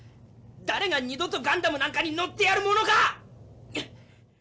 「誰が二度とガンダムなんかに乗ってやるものか」